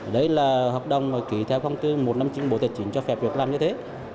đấy là hợp đồng ký theo công tư một năm trình bố tài chính cho phép được làm như thế